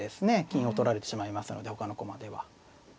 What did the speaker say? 金を取られてしまいますのでほかの駒では。